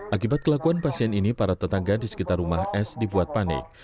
akibat kelakuan pasien ini para tetangga di sekitar rumah s dibuat panik